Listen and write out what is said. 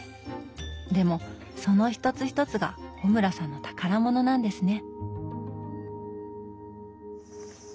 でもその一つ一つが穂村さんの宝物なんですね。